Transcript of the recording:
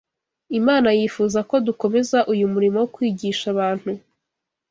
Imana yifuza ko dukomeza uyu murimo wo kwigisha abantu.